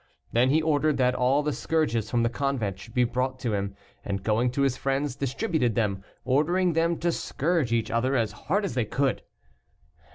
Then he ordered that all the scourges from the convent should be brought to him, and, going to his friends, distributed them, ordering them to scourge each other as hard as they could.